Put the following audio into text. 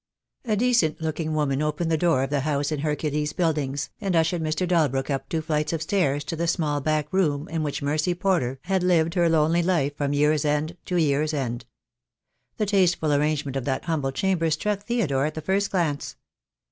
A decent looking woman opened the door of the house in Hercules Buildings, and ushered Mr. Dalbrook up two nights of stairs to the small back room in which Mercy Porter had lived her lonely life from year's end to year's end. The tasteful arrangement of that humble chamber struck Theodore at the first glance.